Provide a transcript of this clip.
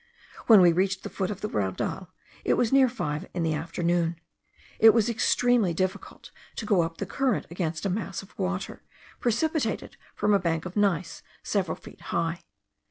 When we reached the foot of the raudal, it was near five in the afternoon. It was extremely difficult to go up the current against a mass of water, precipitated from a bank of gneiss several feet high.